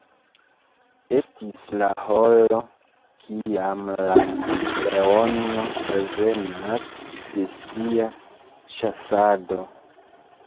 Estis la horo kiam la leono revenas de sia ĉasado.